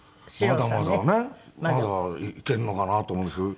まだまだねまだいけるのかなと思うんですけど。